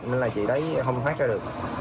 nên là chị đấy không thoát ra được